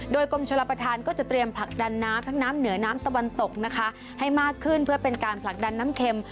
โดยกรมชลประธานก็จะเตรียมผลักดันน้ำทั้งน้ำเหนือน้ำตะวันตกนะคะให้มากขึ้นเพื่อเป็นการผลักดันน้ำเข็ม